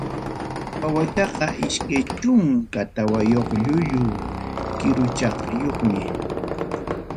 Wawachaqa iskay chunka tawayuq llullu kiruchaqyumi.